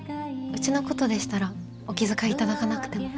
うちのことでしたらお気遣い頂かなくても。